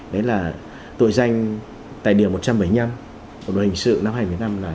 đó là tội danh đấy là tội danh tài điểm một trăm bảy mươi năm một luật hình sự năm hai nghìn một mươi năm là